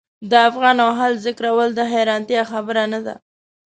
د افغان او خلج ذکرول د حیرانتیا خبره نه ده.